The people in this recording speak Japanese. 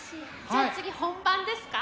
じゃあ次本番ですか？